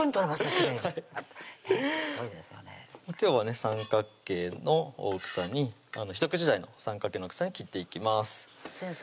きれいに今日はね三角形の大きさに一口大の三角形の大きさに切っていきます先生